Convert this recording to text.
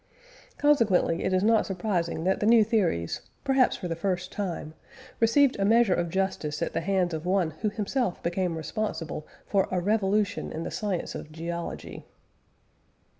Consequently it is not surprising that the new theories, perhaps for the first time, received a measure of justice at the hands of one who himself became responsible for a revolution in the science of geology.